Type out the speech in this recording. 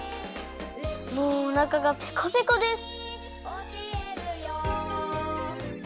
もうおなかがペコペコです。